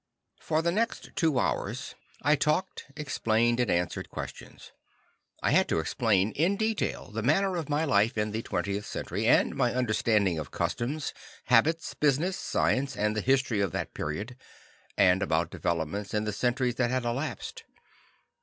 For the next two hours I talked, explained and answered questions. I had to explain, in detail, the manner of my life in the 20th Century and my understanding of customs, habits, business, science and the history of that period, and about developments in the centuries that had elapsed.